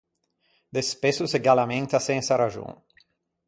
De spesso se gh’allamenta sensa raxon.